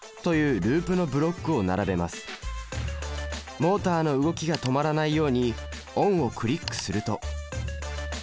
モータの動きが止まらないように「オン」をクリックすると。